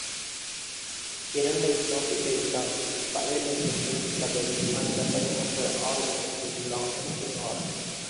இரண்டைச் சாப்பிட்டுவிட்டான் பயல் என்று சிந்தித்தபடி, அந்தப் பையனுக்கு ஆள் அனுப்பினார்.